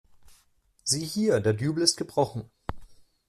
Sieh hier, der Dübel ist gebrochen.